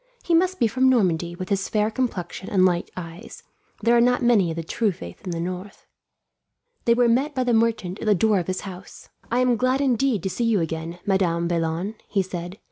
He must be from Normandy, with his fair complexion and light eyes. There are not many of the true faith in the north." They were met by the merchant at the door of his house. "I am glad indeed to see you again, Madame Vaillant," he said.